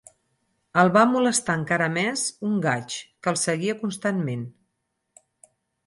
El va molestar encara més un gaig, que el seguia constantment.